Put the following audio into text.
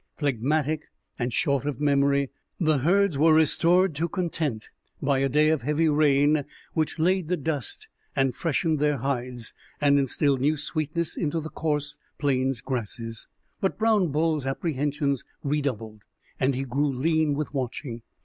Phlegmatic and short of memory, the herds were restored to content by a day of heavy rain, which laid the dust, and freshened their hides, and instilled new sweetness into the coarse plains grasses. But Brown Bull's apprehensions redoubled, and he grew lean with watching.